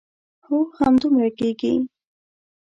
هو همدومره کېږي.